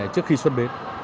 trước khi xuất bến